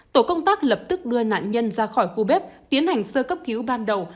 tổ công tác lập tức đưa nạn nhân ra khỏi khu bếp tiến hành sơ cấp cứu ban đầu